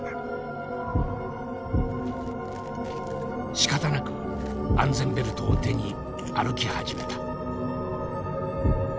しかたなく安全ベルトを手に歩き始めた。